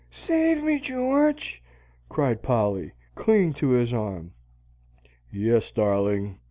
"Save me, George!" cried Polly, clinging to his arm. "Yes, darling!"